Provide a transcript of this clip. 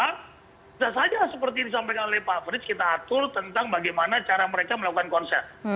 bisa saja seperti disampaikan oleh pak frits kita atur tentang bagaimana cara mereka melakukan konser